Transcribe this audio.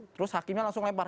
terus hakimnya langsung lempar